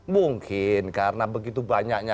mungkin karena begitu banyaknya